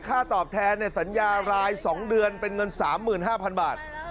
ตอบแทนในสัญญาราย๒เดือนเป็นเงิน๓๕๐๐๐บาท